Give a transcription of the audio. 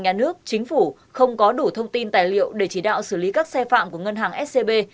nhà nước chính phủ không có đủ thông tin tài liệu để chỉ đạo xử lý các xe phạm của ngân hàng scb